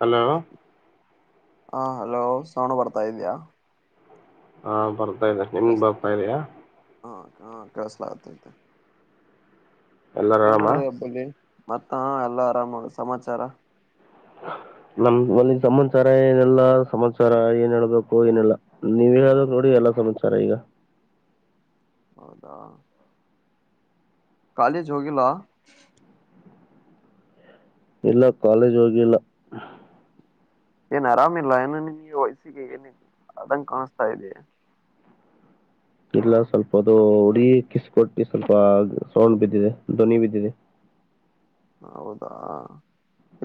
Hello ಹಾ hello ಸೋಣ ಬರ್ತಾ ಇದ್ಯಾಾ. ಹಾ ಬ. ನಿಮ್ ಬಾಪಾ ಇದೆಯಾ. ಹಾ ಹಾ ಕಸಲತತೆ [inaudible] ಎಲ್ಲಾರು ಆರಾಮ ನ್ಡದ ಅಪ್ಪಲ್ಲಿ ಮತ್ತ ಎಲ್ಲ ಆರಾಮ್ ಮಾಡ ಸಮಾಚಾರ ನಮ ಒಲ್ಲಿಗ್ ಸಮಾಚಾರ ಏನೆಲ್ಲಾ ಸಮಾಚಾರ ಏನ್ ಹೇಳ್ಬೇಕು ಏನೆಲ್ಲಾ ನೀವ್ ಹೇಳ ನೋಡಿ ಎಲ್ಲಾ ಸಮಾಚಾರ ಈಗ. ಹೌದಾ ಕಾಲೇಜ್ ಹೋಗಿಲ್ಲಾ ಇಲ್ಲ ಕಾಲೇಜ್ ಹೋಗಿಲ್ಲ ಏನ್ ಆರಾಮಿಲ್ಲ ಏನು ನಿಮ್ಗೆ ವಯಸ್ಸಿಗೆ ಏನ ಅಂಗ ಕಾಣಸ್ತಾ ಇದೆ ಇಲ್ಲ ಸ್ವಲ್ಪ ಅದು ಉಡಿ ಕಿಸ್ ಕೊೊಟ್ಟಿ ಸ್ವಲ್ಪ ಸೌಂಡ್ ಬಿದ್ದಿದೆ ಧ್ವನಿ ಬಿದ್ದಿದೆ ಹೌದಾ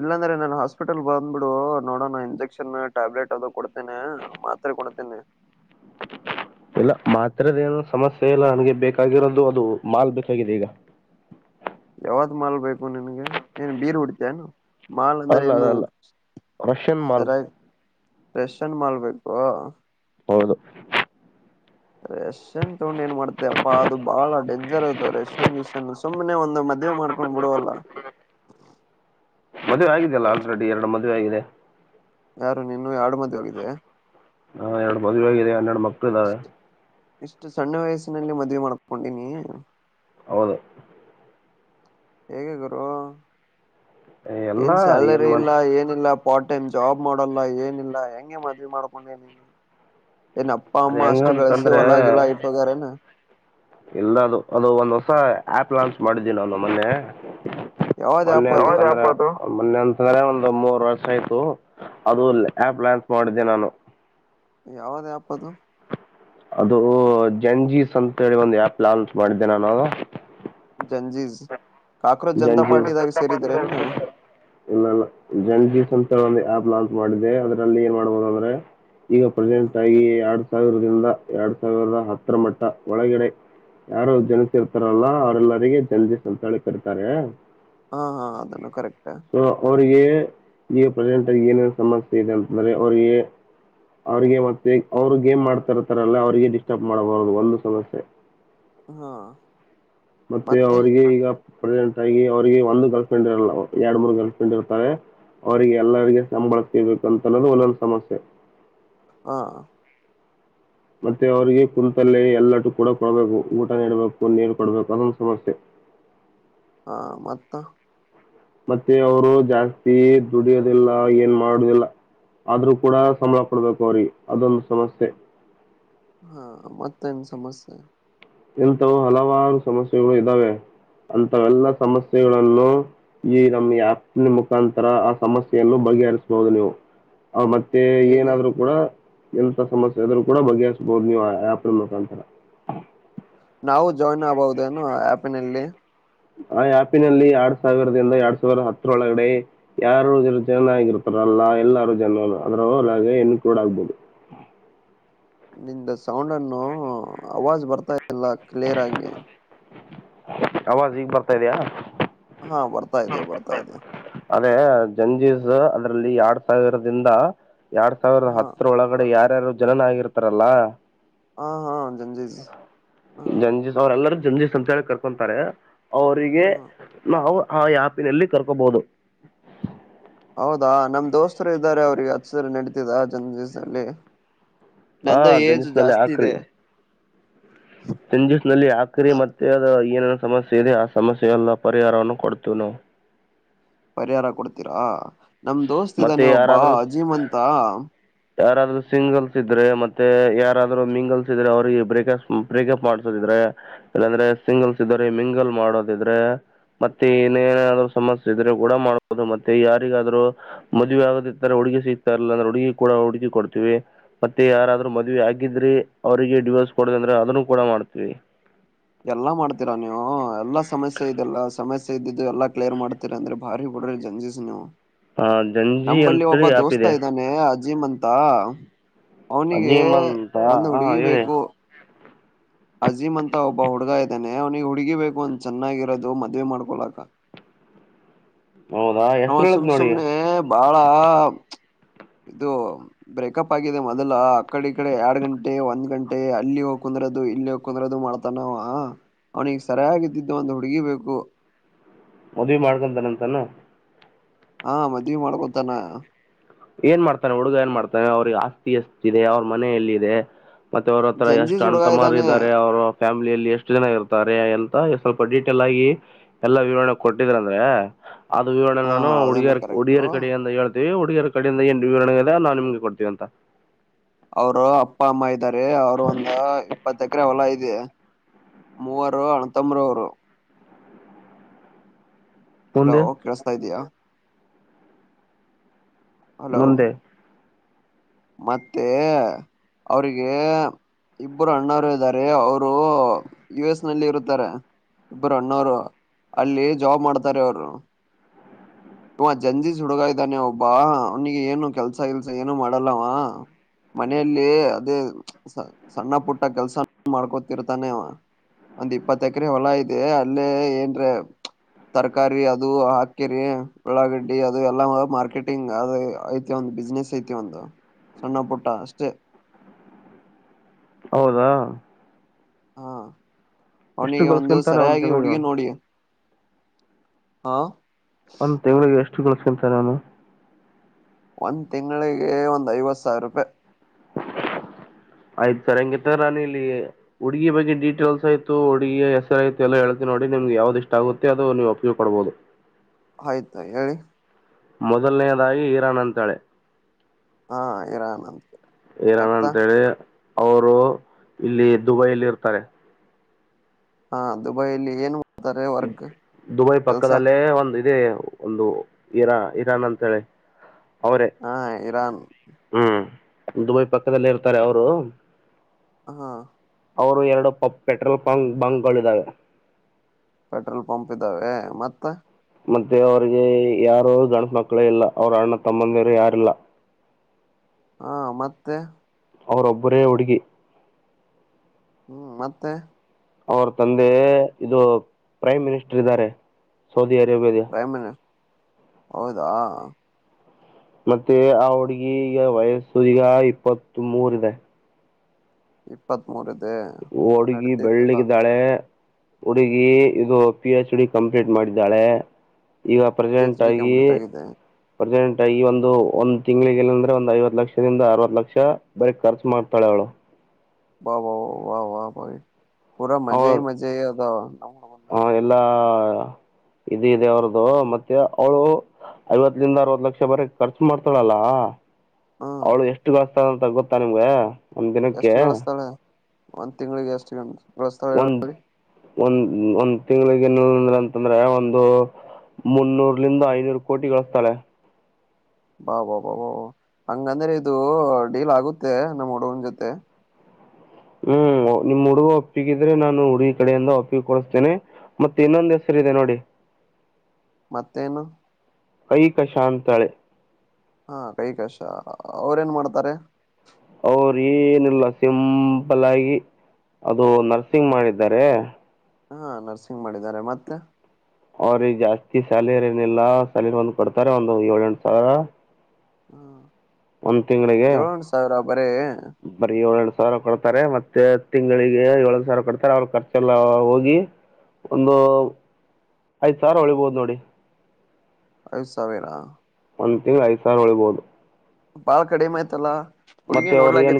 ಇಲ್ಲಾಂದ್ರೆ ನನ್ ಹಾಸ್ಪಿಟಲ್ ಬಂದ್ಬಿಡು ನೋಡೋಣ ಇಂಜೆಕ್ಷನ್ ಟ್ಯಾಬ್ಲೆಟ್ ಅ ಕೊಡ್ತೇನೆ ಮಾತ್ರ ಕೊಡ್ತೇನೆ ಇಲ್ಲ ಮಾತ್ರದೇನು ಸಮಸ್ಯೆ ಇಲ್ಲ ನನಗೆ ಬೇಕಾಗಿರೋದು ಅದು ಮಾಲ್ ಬೇಕಾಗಿದೆ ಈಗ ಯಾವ್ದ್ ಮಾಲ್ ಬೇಕು ನಿನ್ಗ ಏನ್ ಬೀರ್ ಹೊಡೀತಿಯ ಹೇನು ಅಲ್ಲ ಅದ ಅಲ್ಲ ರಷ್ಯನ್ ಮಾಲ್. ರೆಸ್ನ್ ಮಾಲ್ಬೇಕು ಹೌದು. ರೆಷ್ಯನ್ ತಗೊಂಡು ಏನ್ ಮಾಡ್ತ ಅಪ್ಪಾ ಅದು ಬಹಳ ಡೇಂಜರ್ ಅದು ರೆಷನ್ ಗಷನ್ ಮದುವೆ ಆಗಿದಲ್ಲ ಆಲ್ರೆಡಿ ಎರಡು ಮದುವೆ ಆಗಿದೆ ಯಾರು ನಿನ್ನ ಎರಡು ಮದೆ ಹೋಗಿದೆ ಹಾ ಎರಡು ಮದುವ ಆಗ ಹನ್ನರಡು ಮ. ಹಲ್ಲೆ. [inaudible] ಇಷ್ಟು ಸಣ್ಣ ವಯಸ್ಸಿನಲ್ಲಿ ಮದ್ವೆ ಮಾಡ್ಕೊಂಡಿನಿ. ಹೌದು. ಹೇಗೆ ಗುರು ಏನ್ ಎಲ್ಲಾ ಸ್ಯಾಲರಿ ಇಲ್ಲ ಮಾಡ್ ಏನಿಲ್ಲ. ಪಾರ್ಟ್ ಟೈಮ್ ಜಾಬ್ ಮಾಡಲ್ಲ ಏನಿಲ್ಲ ಹೆಂಗೆ ಮದ್ವಿ ಮಾಡ್ಕೊಂಡು ಏನಿಲ್ಲ. ಅದ ಹೆಂಗಂತಂದ್ರೆ ಇಟ್ಟೋಗ್ಯಾರೇನ ಎಲ್ಲದು ಅದು ಒಂದ್ ಹೊಸ ಆ್ಯಪ್ ಲಾಂಚ್ ಮಾಡಿದ್ದೀ ನು ಮೊನ್ನೆ [inaudible] ಯಾವ್ದ್ ಆ್ಯಪ್ ಅದು ಮೊನ್ನೆ ಅಂತ್ರೆ ಒಂದ ಮೂರ್ ವರ್ಷ ಆಯ್ತು ಅದು ಆಪ್ ಲಯಾಂಚ್ ಮಾಡಿದ್ದೆ ನಾನು. ಯಾವದೇ ಯಾಪ್ಪದು ಅದು ಜಂಜೀಸ್ ಅಂತೇಳಿ ಒಂದು ಆ್ಯಪ್ ಲಾಂಚ್ ಮಾಡಿದ್ದೆನೆ ನಾನು ಜಂಜೀಸ್ ಕಾಕ್ರೋಚ್ ಜನತಾ ಜಂಜ ಪಾರ್ಟಿದಾಗ ಸೇರಿದ್ರೇನ್ ನೀವು ಜಂಜ ಸಂ. ಒ ಆಪ್ ಲಾಂಚ್ ಮಾಡಿದ್ದೆ ಅದರಲ್ಲಿ ಏನ್ ಮಾಡ್ಬಹುದು ಅಂದ್ರೆ ಈಗ ಹಾ ಪ್ರೆಸೆಂಟ್ ಆಗಿ ಎರಡ್ ಸಾವಿರ [inaudible] ದ ಎರಡ್ ಸಾವಿರದ ಹತ್ತರ ಮಟ್ಟ ಒಳಗಡೆ ಯಾರು ಜನಿಸಿ ಇರ್ತಾರಲ್ಲ ಅವರೆಲ್ಲರಿಗೆ ಜನಜ ಸಂತಳಿ ರ್ತಾರ ಹಾ ಹಾ ಅದನ್ನು ಕರೆಕ್ಟ್. ಅವರಿಗೆ ಈಗ ಪ್ರೆಸೆಂಟಾಗಿ ಏನೇನು ಸಮಸ್ಯೆ ಇದೆ ಅಂತಂದರೆ ಅವರಿಗೆ ಅವ್ರಿಗೆ ಮತ್ತೆ ಅವರು ಗೇಮ್ ಮಾಡ್ತ ಇರ್ತಾರಲ್ಲ ಅವ್ರರಿಗೆ ಡಿಸ್ಟರ್ಬ್ ಮಾಡಬಾರದು ಒಂದು ಸಮಸ್ಯೆ. ಹಾ ಮತ್ತೆ ಅವ್ರಿಗೆ ಈಗ. ಪ್ರೆಸೆಂಟ್ ಆಗಿ ಅವರಿಗೆ ಒಂದು ಗರ್ಲ್ ಫ್ರೆಂಡ್ ಇರಲ್ಲ ಎರಡ್ ಮೂರು ಗರ್ಲ್ ಫ್ರೆಂಡ್ ಇರ್ತಾರೆ ಅವರಿಗೆ ಎಲ್ಲರಿಗೆ ಸಂಬಳ ತೆಗಿಬೇಕ ಅಂತ ಅನ್ನೋದು ಒಂದ ಸಮಸ್ಯೆ. ಹಾ ಮತ್ತೆ ಅವರಿಗೆ ಕುೂಂತಲ್ಲೇ ಎಲ್ಲಟು ಕೂಡ ಕೊಡಬೇಕು ಊಟ ನೀಡಬೇಕು ನೀರು ಕೊಡಬೇಕು ಅದೊಂದು ಸಮಸ್ಯೆ. ಹಾ ಮತ್ತ ಮತ್ತೆ ಅವರು ಜಾಸ್ತಿ ದುಡಿಯೋದಿಲ್ಲ ಏನ್ ಮಾಡುದಿಲ್ಲ ಆದ್ರೂ ಕೂಡ ಸಂಬಳ ಕೊಡ್ಬೇಕು ಅವ್ರಿಗೆ ಅದೊಂದು ಸಮಸ್ಯೆ. ಹಾ ಮತ್ತೆ ಏನ್ ಸಮಸ್ಯೆ. ಎಂಥವು ಹಲವಾರು ಸಮಸ್ಯೆಗಳು ಇದ್ದಾವೆ. ಆವೆಲ್ಲ ಸಮಸ್ಯೆಗಳನ್ನು. ಈ ನಮ್ಮ ಆ್ಯಪ್ ಮುಖಾಂತರ ಆ ಸಮಸ್ಯೆಯನ್ನು ಬಗೆಹರಿಸಬಹುದು ನೀವು. ಆ ಮತ್ತೆ ಹೇಗೆ ಏನಾದ್ರು ಕೂಡ. ಎಂತ ಸಮಸ್ಯೆ ಆದ್ರು ಕೂಡ ಬಗೆಹರಿಸಬಹುದು ನೀವು ಆಪ್ ಮುಖಾಂತರ. ನಾವು ಜಾಯಿನ್ ಆಗ್ಬಹುದೇನು ಆಪಿನಲ್ಲಿ. ಆ ಆ್ಯಪಿನಲ್ಲಿ ಎರಡ್ ಸಾವಿರದಿಂದ ಎರಡ್ ಸಾವಿರದ ಹತ್ತರೊಳಗಡೆ ಯಾರು ಜನ ಆಗಿರ್ತಾರ ಅಲ್ಲ ಎಲ್ಲಾರೂ ಜನ ಅದ್ರದಾಗ ಇನ್ಕ್ಲೂಡ್ ಆಗ್ಬೋದು. ನಿಮ ಸೌಂಡನ್ನು ಅವಾಜ್ ಬರ್ತಾ ಇಲ್ಲ ಕ್ಲಿಯರ್ ಆಗಿ ಅವಾಜ್ ಈಗ ಬರ್ತಾ ಇದ್ಯಾ. ಹಾ ಬರ್ತಾ ಇದೆ ಬರ್ತಾ ಇದೆ. ಅದೇ ಜಂಜೀವ್ಸ್ ಅದ್ರಲ್ಲಿ ಎರಡ್ ಸಾವಿರದಿಂದ. ಎರಡ್ ಸಾವಿರದ ಹಾ ಹತ್ತರ ಒಳಗಡೆ ಯಾರ. ಯಾರು ಜನನ ಆಗಿರ್ತಾರಲ್ಲ. ಹಾ ಹಾ [inaudible] ಜಂಜೀಸ್ ಅವ್ರ ಎಲ್ಲರ [unintelligible] ಅಂತ ಹೇಳಿ ಕರ್ಕೊಂತಾರೆ. ಅವರಿಗೆ ಹಾ ನಾವ್ ಹಾ ಆಪ್ನಲ್ಲಿ ಕರ್ಕೋಬಹುದು. ಹೌದಾ ನಮ್ ದೋಸ್ತರು ಇದ್ದಾರೆ ಅವ್ರಿಗೆ ಹಚ್ಚಲ್ಲಿ ನಡತಿದ ಜಂಜಸ್ದಲ್ಲಿ. ಹಾ ಜನಿಸಿನಲ್ಲ ಹಾಕ್ರಿ. ಜಂಜಸ್ ನಲ್ಲಿ ಆಕರೆ ಮತ್ತೆ ಅದ ಏನೇನ ಸಮಸ್ಯೆ ಇದೆ ಆ ಸಮಸ್ಯೆಲ್ಲ ಪರಿಹಾರವನ್ನು ಕೊಡ್ತೇವಿ ನಾವು. ಪರಿಹಾರ ಕೊಡ್ತೀರಾ. ನಮ ದೋಸ್ತ್ ಮತ್ತೆ ಇದಾನೆ ಒಬ್ಬ ಅ ಜೀಮಂತ. ಯಾರಾದ್ರರು ಸಿಂಗಲ್ಸ್ ಇದ್ರೆ ಮತ್ತೆ ಯಾರಾದ್ರರು ಮಿಂಗಲ್ಸ್ ಇದ್ರೆ ಅವ್ರಿಗೆ ಬ್ರಕ್ಪ್ ಬ್ರೇಕಪ್ ಮಾಡ್ಸೋದಿದ್ರೆ ಇಲ್ಲಾಂದ್ರೆ ಸಿಂಗಲ್ಸ್ ಇದ್ರೆ ಮಿಂಗಲ್ ಮಾಡೋದಿದ್ರೆ ಮತ್ತೆ ಇನ್ನೇಏನಾದ್ರು ಸಮಸ್ಯೆ ಇದ್ರೆ ಕೂಡ ಮಾಡದು ಮತ್ತೆ ಯಾರಿಗಾದ್ರು. ಮದ್ವಿ ಅಡೂರು ಇರ್ತಾರೆ ಹುಡುಗಿ ಸಿಗ್ತಾ ಇರ್ಲಿಲ್ಲ ಅಂದ್ರೆ ಹುಡುಗಿ ಕೂಡ ಹುಡುಗಿ ಕೊಡ್ತೀವಿ ಮತ್ತೆ ಯಾರಾದ್ರರು ಮದ್ವಿ ಆಗಿದ್ರೆ ಅವರಿಗೆ ಡಿವೋರ್ಸ್ ಕೊಡದ ಅಂದ್ರೆ ಅದನ್ನು ಕೂಡ ಮಾಡ್ತೀವಿ. ಎಲ್ಲಾ ಮಾಡ್ತೀರಾ ನೀವು ಎಲ್ಲಾ ಸಮಸ್ಯೆ ಇದೆಲ್ಲಾ ಸಮಸ್ಯೆ ಇದ್ದಿದ್ದು ಎಲ್ಲಾ ಕ್ಲಿಯರ್ ಮಾಡ್ತೀರಾ ಅಂದ್ರೆ ಭಾರಿ ಬಿಡ್ರಿ ಜಂಜೀಸ್ ನೀವು. ಹಾ ಜಂಜಿ ಅಂತೇಳಿ ಯಾಪಿದೆ. ಜೀಮಂತ ಜೀಮಂತ ಹ ಹಾ ಹೇಳಿ ಬೇಕು ಅಜೀಮ್ ಅಂತ ಒಬ್ಬ ಹುಡ್ಗ ಇದ್ದಾನೆ ಅವ್ನಿಗೆ ಹುಡ್ಗಿ ಬೇಕು ಒಂದ ಚೆನ್ನಾಗಿರೋದು ಮದ್ವೆ ಮಾಡ್ಕೊಳಕ್ಕ. ಹೌದಾ ಅವ ಹೆಸರು ಹೇಳತ್ ನೋಡಿ ಸುಮ್ನಸುಮ್ನೆ ಬಾಳ. ಇದು ಬ್ರೇಕಪ್ ಆಗಿದೆ ಮೊದಲ ಆ ಕಡೆ ಈ ಕಡೆ ಎರಡ್ ಗಂಟೆ ಒಂದ್ ಗಂಟೆ ಅಲ್ಲಿ ಹೋಗ ಕುಂದ್ರದು ಇಲ್ಲಿ ಹೋಗ ಕುಂದ್ರದು ಮಾಡ್ತಾನ ಅವ್ನಿಿಗೆ ಸರಿಯಾಗಿದ್ದಿದ್ದು ಒಂದು ಹುಡುಗಿ ಬೇಕು. ಮದಿವಿ ಮಾಡ್ಕಂತನಂತಾನ. ಹಾ ಮದ್ವಿೆ ಮಾಡಕೊತಾನ ಏನ್ ಮಾಡ್ತಾನೆ ಹುಡುಗ ಏನ್ ಮಾಡ್ತಾನೆ ಅವ್ರಿಗೆ ಆಸ್ತಿ ಅಷ್ಟ ಇಿದೆ ಅವ್ರ ಮನೆ ಎಲ್ ಇದೆ. ಮತ್ತೆ ಅವ್ರತ್ರರ ಎಷ್ಟು ಜಂಜೀಸ್ ಅಣಂತ ಹುಡುಗ ಮಾರ ಇದ್ದಾನೆ ಇದಾರೆ ಅವರು ಫ್ಯಾಮಿಲಿಯಲ್ಲಿ ಎಷ್ಟು ಜನ ಇರ್ತಾರೆ ಎಂತ ಸ್ವಲ್ಪ ಡೀಟೇಲ್ ಆಗಿ ಎಲ್ಲಾ ವಿವರಣೆ ಕೊಟ್ಟಿದ್ರ ಅಂದ್ರೆ. ಅದು ವಿರಣೆ ಹಾ ನಾನು ಅದನ್ನು ಉಡಿಯಾರ್ ಕರೆಕ್ಟು ಉುಡುಿಯರ್ ಕಡೆ ಇಂದ ಹೇಳ್ತೀವಿ. [unintelligible] ಕಡಿಂದ ಎಂು ವಿವರಣೆ ಇದೆ ನಾವು ನಿಮ್ಗೆ ಕೊಡ್ತೀವ ಅಂತ ಅವರು ಅಪ್ಪ ಅಮ್ಮ ಇದ್ದಾರೆ ಅವರು ಒಂದ ಇಪ್ಪತ್ತ ಎಕರೆ ಹೊಲ ಐತ್ ಇದೆ ಮೂವರು ಅಣ ತಮ್ರ ಅವರು ಹಲೋ ಮುಂದೆ ಕೇಳಸ್ತಾ ಇದಯಾ ಹಲೋ ಮುಂದೆ ಮತ್ತೆ ಅವ್ರಿಗೆ ಇಬ್ಬರು ಅಣ್ಣರು ಇದ್ದಾರೆ ಅವರು ಯು ಎಸ್ ನಲ್ಲಿ ಇರುತ್ತಾರೆ ಇಬ್ಬರು ಅಣ್ಣೋರು ಅಲ್ಲಿ ಜಾಬ್ ಮಾಡ್ತಾರೆ ಅವರು ಇವ ಜಂಜೀಸ್ ಹುಡುಗ ಇದ್ದಾನೆ ಒಬ್ಬ ಅವನಿಗೆ ಏನು ಕೆಲ್ಸ ಇಲ್ಸ ಏನು ಮಾಡಲ್ಲವ ಮನೆಯಲ್ಲಿ ಅದೇ ಸಣ್ಣ ಪುಟ್ಟ ಕೆಲ್ಸ ಮಾಡ್ಕೊತಿರ್ತಾನೆವ ಒಂದ್ ಇಪ್ಪತ್ ಎಕರೆ ಹೊಲ ಇದೆ ಅಲ್ಲೇ ಏನ್ರ ತರಕಾರಿ ಅದು ಹಾಕಿರಿ ಉಳ್ಳಾಗಡ್ಡಿ ಅದು ಎಲ್ಲ ಮಾರ್ಕೆಟಿಂಗ್ ಅದು ಐತಿ ಒಂದು ಬಿಸ್ನೆಸ್ ಐತಿ ಒಂದು ಸಣ್ಣ ಪುಟ್ಟ ಅಷ್ಟೇ ಹೌದಾ ಹಾ ಎಷ್ಟು ಅವನಿಗೆ ಒಂದು ಗಳಿಸ್ಕೊಂತಾನೆ ಒಂದ್ ಸರಿಯಾಗಿ ತಿಂಗಳಿಗೆ ಹುಡುಗಿ ನೋಡಿ ಹಾ ಒಂದು ತಿಂಗಳಿಗೆ ಎಷ್ [unintelligible] ಒಂದ್ ತಿಂಗಳಿಗೆ ಒಂದ್ ಐವತ್ತು ಸಾವಿರ ರೂಪಾಯಿ ಆಯ್ತು ಸರ್ ಹೆಂಗಿತ್ತ ನಾನ ಇಲ್ಲಿ ಹುಡ್ಗಿ ಬಗ್ಗೆ ಡೀಟೇಲ್ಸ್ ಆಯ್ತು ಹುಡುಗಿಯ ಹೆಸರ ಆಯ್ತು ಎಲ್ಲ ಹೇಳ್ತಿಿ ನೋಡಿ ನಿಮ್ಗೆ ಯಾವ್ದ್ ಇಷ್ಟ ಆಗುತ್ತೆ ಅದು ನೀವು ಒಪ್ಪಿಗೆ ಕೊಡ್ಬೋದು ಆಯ್ತು ಹೇಳಿ ಮೊದಲನೆಯದಾಗಿ ಇರಾನ್ ಅಂತಾಳೆ ಹಾ ಇರಾನ್ ಅಂತ ಇರಾನ ಮತ್ತ ಅಂತೇಳಿ ಅವರು ಇಲ್ಲಿ ದುಬೈಲ್ಲಿ ಇರ್ತಾರೆ ಹಾ ದುಬೈಲ್ಲಿ ಏನ್ ಮಾಡ್ತಾರೆ ವರ್ಕ್ ದುಬೈ ಕೆಲ್ಸ ಪಕ್ಕದಲ್ಲೇ ಒಂದು ಇದೆ ಒಂದು ಇರಾ ಇರಾನ್ ಅಂತ ಹೇಳಿ ಹಾ ಇರಾನ್ ದುಬೈ ಪಕ್ಕದಲ್ಲೇ ಇರ್ತಾರೆ ಅವರು ಹಾ ಅವರು ಎರಡು ಪ ಪೆಟ್ರೋಲ್ ಪಂಕ್ ಬಂಕ್ಗಳಿದ್ದಾವೆ ಪೆಟ್ರೋಲ್ ಪಂಪ್ ಇದ್ದಾವೆ ಮತ್ತ ಮತ್ತೆ ಅವಿಗೆ ಯಾರು ಗಣ್ ಮಕ್ಕಳೇ ಇಲ್ಲ ಅವ್ರ ಅಣ್ಣ ತಮ್ಮಂದಿರು ಯಾರಿಲ್ಲ ಹಾ ಮತ್ತೆ ಅವರೊಬ್ಬರೇ ಹುಡುಗಿ. ಹ್ಮ್ ಮತ್ತೆ. ಅವ್ರ ತಂದೆ ಇದು ಪ್ರೈಮ್ ಮಿನಿಸ್ಟರ್ ಇದ್ದಾರೆ. ಸೌದಿ ಅರೇಬ್ಯದ. ಪ್ರೈಮ್ ಮಿನಿಸ್ಟರ್ ಹೌದಾ. ಮತ್ತೆ ಆ ಹುಡ್ಗಿ ಈಗ ವಯಸ್ಸು ಈಗ ಇಪ್ಪತ್ ಮೂರ್ ಇದೆ. ಇಪ್ಪತ್ತ್ ಮೂರನೆಯದು. ಓಡುಗಿ ಬೆಳ್ಳಗಿದಾಳೆ. ಹುಡುಗಿ ಇದು ಪಿ ಹೆಚ್ ಡಿ ಕಂಪ್ಲೀಟ್ ಮಾಡಿದ್ದಾಳೆ. ಈಗ ಪಿಎಚ್ ಪ್ರೆಸಡೆಂಟ್ ಡಿ ಆಗಿ ಕಂಪ್ಲೀಟ್ ಆಗಿದೆ ಪ್ರೆಸೆಂಟ್. ಈ ಒಂದು ಒಂದ್ ತಿಂಗಗಳಿಗೆ ಇಲ್ಲಂದ್ರೆ ಒಂದು ಐವತ್ ಲಕ್ಷದಿಂದ ಅರವತ್ ಲಕ್ಷ ಬರಿ ಖರ್ಚು ಮಾಡ್ತಾಳೆ ಅವಳು. ವಾ ವಾ ವಾ ವಾಹ್ ವಾ ಭ. ಪೂರಾ ಮಜೆ ಹ ಮಜೆ ಅದಾವ. ನಮ್ ಹಾ ಹುಡುಗಂದಾಗ. ಎಲ್ಲಾ. ಇದ ಇದೆ ಅವ್ರ್ದು ಮತ್ತೆ ಅವಳು ಐವತ್ತಲಂದ ಅರವತ್ ಲಕ್ಷ ಬರ ಖರ್ಚು ಮಾಡ್ತಾಳಲ್ಲ. ಹ್ಮ್ ಅವಳು ಎಷ್ಟು. ಅಂತಾ ಗೊತ್ತಾ ನಿಮ್ಗ. ಒಂದ್ ದಿನಕ್ಕೆ. ಎಷ್ಟು ಗಳಿಸ್ತಾಳೆ ಒಂದ್ ತಿಂಗಳಿಗೆ ಎಷ್ಟು. [inaudible] ಪ್ರಸ್ತಲ್ಲಿ ಹೇಳ್ತನಿ. ಒಂದ ಒಂದ್ ತಿಂಗಳಿಗೆ ಏನಂದ್ರ ಅಂತಂದ್ರೆ ಒಂದು ಮುನ್ನೂರ್ಲಂದ ಐನೂರು ಕೋಟಿ ಗಳಿಸ್ತಾಳೆ. ಬಾ ಬಾ ಬ ಬ್ ಹಂಗಂದ್ರೆ ಇದು ಡೀಲ್ ಆಗುತ್ತೆ ನಮ್ಮ್ ಹುಡುಗನ ಜೊತೆ. ಹ್ಮ್ ನಿಮ್ ಹುಡುಗ ಒಪ್ಪಿಗಿದ್ರೆ ನಾನು ಹುಡುಗಿ ಕಡೆಯಿಂದ ಒಪ್ಪಿಗೆ ಕೊಡಿಸತೇನೆ ಮತ್ತ ಇನ್ನೊಂದ್ ಹೆಸರ ಇದೆ ನೋಡಿ. ಮತ್ತೇನು. ಐಕ ಶಾಂತಳೆ. ಹಾ ಕೈ ಕಶ ಅವ್ರೇನ್ ಮಾಡ್ತಾರೆ. ಅವರು ಏನಿಲ್ಲ ಸಿಂಪಲ್ ಆಗಿ ಅದು ನರ್ಸಿಂಗ್ ಮಾಡಿದ್ದಾರೆ. ಹಾ ನರ್ಸಿಂಗ್ ಮಾಡಿದ್ದಾರೆ ಮತ್ತೆ. ಅವ್ರಿಗೆ ಜಾಸ್ತಿ ಸ್ಯಾಲರಿ ಏನಿಲ್ಲ ಸ್ಯಾಲರಿ ಒಂದು ಕೊಡ್ತಾರೆ ಒಂದು ಏಳ ಎಂಟು ಸಾವಿರ. ಹ್ಮ. ಒಂದ್ ತಿಂಗಳಿಗೆ ಬರಿ ಯೊಳ್. ಸಾವಿರ ಕೊಡ್ತಾರೆ ಮತ್ತೆ ತಿಂಗಳಿಗೆ ಏಳು ಸಾವಿರ ಕೊಡ್ತಾರೆ ಅವ್ರ ಖರ್ಚೆಲ್ಲ ಹೋಗಿ ಒಂದು ಐದು ಸಾವಿರ ಉಳಿಬೋದು ನೋಡಿ. ಐದು ಸಾವಿರಾ. ಒಂದು ತಿಂಗಳಿಗೆ ಐದು ಸಾರು ಉಳಬೋದು. ಬಾಳ ಕಡೆಮ ಆಯ್ತಲ್ಲಾ. ಮತ್ತೆ ಅವರು ಏನ್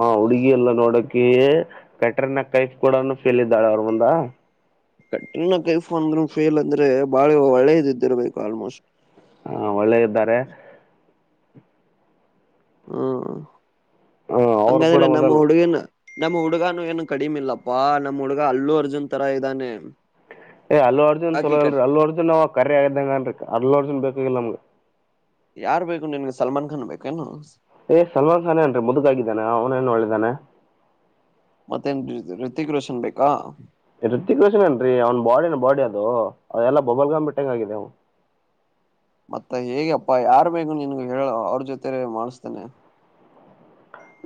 ಹ ಹುಡುಗಿ ಎಲ್ಲ ನೋಡಕ್ಕೆ. ಕಟರಿನ ಕೈಫ್ ಕೂಡ ಫೇಲ್ ಇದ್ದಾಳೆ ಅವ್ಳ ಮುಂದ. ಕತ್ರಿನಾ ಕೈಫೋನ್ ಫೇಲ್ ಅಂದ್ರೆ ಬಾಳ ಒಳ್ಳೇದ ಇದ್ದಿರಬೇಕು ಅವ್ಳು ಮೋಸ್ಟ್ಲಿ. ಹಾ ಒಳ್ಳೆ ಇದ್ದಾರೆ. ಹ್ಮ ಹ ಅವ್ರು ಕೂಡ ಹಂಗಾದ್ರೆ ನಮ್ಮ ಮೊದಲು ಹುಡುಗನ. ನಮ್ಮ ಹುಡುಗಾನು ಏನು ಕಡಿಮ ಇಲ್ಲಪ್ಪಾ ನಮ್ಮ್ ಹುಡ್ಗ ಅಲ್ಲು ಅರ್ಜುನ್ ತರ ಇದ್ದಾನೆ. ಏ ಅರ್ಜುನ್ ಆಕಿ ಕಟ್ ಚಲೋಲ್ರಿ ಅರ್ಜುನ್ ಅವ ಕರ್ಯದ್ದಂಗನ್ರಿ ಅಲ್ಲು ಅರ್ಜುನ್ ಬೇಕಾ ಗಿಲ್ಲ ನಮಗ. ಯಾರ್ ಬೇಕು ನಿನ್ಗೆ ಸಲ್ಮಾನ್ ಖಾನ್ ಬೇಕೇನು. ಏ ಸಲ್ಮಾನ್ ಖಾನ್ ಏನ್ರರಿ ಮುದುಕಾಗಿದ್ದಾನ ಅವನೇನು ಒಳ್ಳಿದಾನೆ. ಮತ್ತೇನ್ ಋತಕ್ ರೋಷನ್ ಬೇಕಾ. ವೃತಿಕ್ ರೋಷನ ಏನ್ರೀ ಅವ್ನ ಬಾಡಿನ್ ಬಾಡಿ ಅದು ಅದೆಲ್ಲಾ ಬೊಬಲ್ ಗಮ್ ಇಟ್ಟಂಗ ಆಗಿದೆ ಅವ. ಮತ್ತ ಹೇಗೆಪ್ಪಾ ಯಾರ ಬೇಗು ನಿನ್ಗ ಹೇಳ ಅವ್ರ ಜೊತೆ ಮಾಡಸ್ತೇನೆ.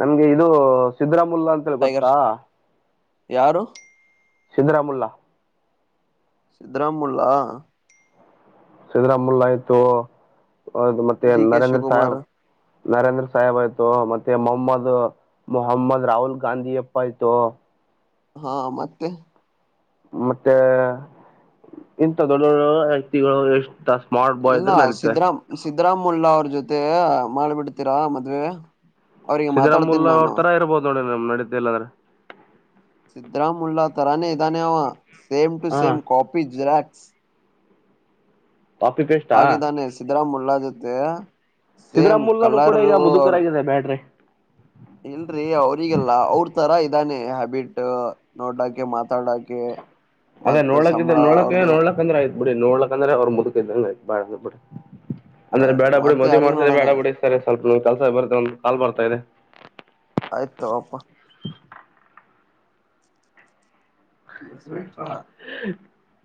ನಮ್ಗೆ ಇದು ಸಿದ್ದರಾಮ್ ಮ್ಮುಲ್ಲ ಅಂತೇಳಿ ಟೈಗರ್ ಗೊತ್ತಾ. ಯಾರು. ಸಿಂಧ್ರಮುಲ್ಲ ಸಿದ್ರಾಮುಲ್ಲಾ. ಸಿದ್ದರಾಮುಲ್ಲ ಆಯ್ತು. ಹೌದು ಮತ್ತೆ ಡಿ ಕೆ ನರೇಂದ್ರ ಸಾಹೇಬ್. ಶಿವಕುಮಾರ್ ನರೇಂದ್ರ ಸಾಹೇಬ್ ಆಯ್ತು ಮತ್ತೆ ಮೊಹಮ್ಮದ್ ಮೊಹಮ್ಮದ್ ರಾಹುಲ್ ಗಾಂಧಿ ಅಪ್ಪ ಆಯ್ತು. ಹಾ ಮತ್ತೆ. ಮತ್ತೆ ಇಂತ ದೊಡ್ಡ ದೊಡ್ಡ ವ್ಯಕ್ತಿಗಳು ಎಷ್ಟು. ತ ಸ್ಮಾರ್ಟ್ ಬಾಯ್ ಇಲ್ಲ ಇದ್ರ ನಡೀತೆ. ಸಿದ್ದರಾಮ್ ಸಿದ್ದರಾಮುಲ್ಲಾ ಅವ್ರ ಜೊತೆ ಮಾಡ ಬಿಡ್ತೀರಾ ಮದ್ವೆ. ಅವ್ರಿಗೆ ಮಾತಾಡ್ತೀನಿ ಸಿದ್ದರಾಮುಲ್ ಅವ್ರ ನಾನು ತರ ಇರ್ಬೋದು ನೋಡಿ. ನ್ ನಡೀತ ಇಲ್ಲದ್ರ. ದ್ದಾನೆ ಅವ. ಸೇಮ್ ಟು ಹಾಂ same copy xerox coffee ಪೆಸ್ಟಾ. ರ ಮುಲ್ಲಾಜೋತೆ. ಸಿದ್ದರಾಮುಲ್ಗಾನೂ ಕೂಡ ಈಗ ಮುದುಕರ ಆಗಿದೆ ಬ್ಯಾಡ್ರಿ. ಇಲ್ರಿ ಅವ್ರಿಗೆಲ್ಲ ಅವ್ರ ತರ ಇದಾನೆ ಹ್ಯಾಬಿಟ್ ನೋಡಕೆ ಮಾತಾಡಕೆ. ಅದೇ ಮತ್ ನೋಡಕಿದ್ರ ಸಂಬಳ ನೋಡಕೆ ಅವ್ರದು ನೋಡ್ಲಕ್ಕಂದ್ರ ಆಯ್ತು. ಬಿಡಿ ನೋಡ್ಲಕ್ಂದ್ರ ಅವ್ರ ಮುದುಕ ಇದ್ದಂಗ ಐತ ಬಾಳಂದ್ರ ಬಿಡಿ. ಅಂದ್ರೆ ಬೇಡ ಬ್ಯಾಡ್ರಿ ಬೀಡಿ ಮತ್ತೆ ಮದುವೆ ಯಾರಿಗ್ ಮಾಡಸದೆ ನೋಡೋಣ ಬ್ಯಾಡ ಬಿಡಿಸರ ಸ್ವಲ್ಪ. ಕೆಲ್ಸ ಬರ್ತ ಒನ್ ಕಾಲ್ ಬರ್ತಾ ಇದೆ. ಆಯ್ತು ತೋಪ. ಹ್ಮ್ಮ್. [unintelligible]